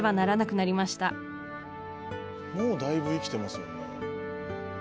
もうだいぶ生きてますよね。